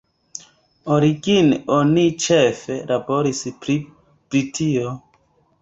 Origine oni ĉefe laboris pri Britio.